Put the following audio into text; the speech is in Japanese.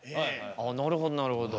ああなるほどなるほど。